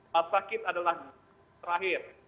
masakit adalah terakhir